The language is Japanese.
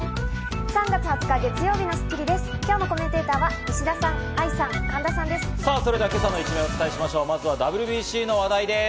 ３月２０日、月曜日の『スッキリ』です。